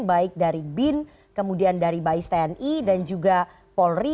baik dari bin kemudian dari bais tni dan juga polri